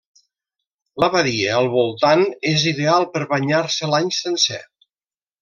La badia al voltant és ideal per banyar-se l'any sencer.